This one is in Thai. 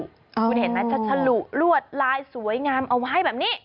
คุณเห็นไหมจะฉลุลวดลายสวยงามเอาไว้แบบนี้